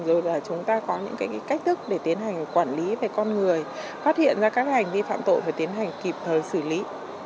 rồi là chúng ta có những cái cách thức để tiến hành quản lý về con người phát hiện ra các hành vi phạm tội phải tiến hành kịp thời xử lý